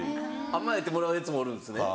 甘えてもらうやつもおるんですね。